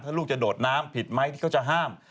ถ้าลูกจะโดดน้ำผิดไหมที่เขาจะห้าม